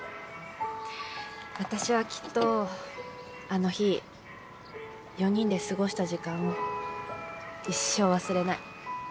私はきっとあの日４人で過ごした時間を一生忘れない。